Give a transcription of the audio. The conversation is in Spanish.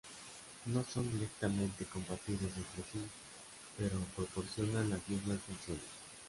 No son directamente compatibles entre sí, pero proporcionan las mismas funciones.